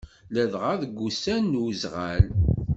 Ladɣa deg wussan n uzɣal.